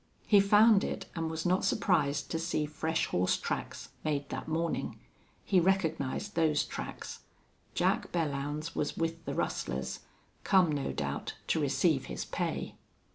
He found it, and was not surprised to see fresh horse tracks, made that morning. He recognized those tracks. Jack Belllounds was with the rustlers, come, no doubt, to receive his pay.